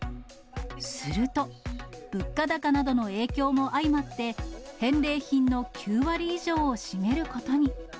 すると、物価高などの影響も相まって、返礼品の９割以上を占めることに。